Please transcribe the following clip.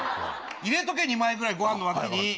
入れとけ、２枚ぐらい、ごはんの脇に。